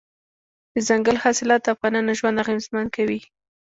دځنګل حاصلات د افغانانو ژوند اغېزمن کوي.